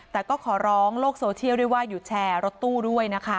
แต่ก็ขอร้องโลกโซเชียลด้วยว่าหยุดแชร์รถตู้ด้วยนะคะ